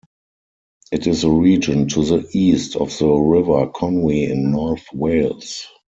It is a region to the east of the River Conwy in north Wales.